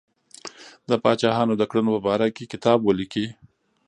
د پاچاهانو د کړنو په باره کې کتاب ولیکي.